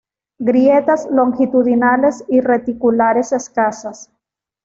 Grietas longitudinales y reticulares escasas.